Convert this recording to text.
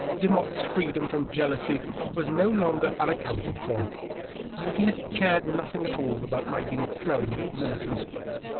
Demotte's freedom from Jealousy was no lon^r unaccounted for. He had cared nothing at all about my being thrown with Millicent.